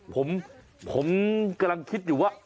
ผมกำลังคิดอยู่ว่า